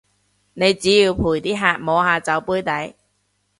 你只要陪啲客摸下酒杯底